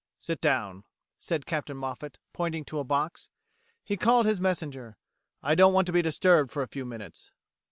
"Sit down," said Captain Moffet, pointing to a box. He called his messenger. "I don't want to be disturbed for a few minutes."